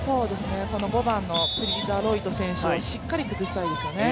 ５番のプリ・ダロイト選手をしっかり崩したいですよね。